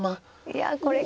いやこれが。